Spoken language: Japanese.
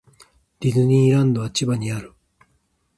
ディズニーランドは千葉にある。